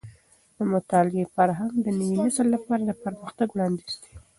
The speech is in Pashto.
د مطالعې فرهنګ د نوي نسل لپاره د پرمختګ وړاندیز دی.